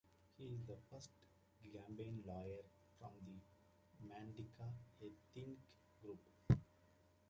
He is the first Gambian lawyer from the Mandinka ethnic group.